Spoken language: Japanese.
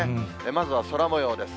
まずは空もようです。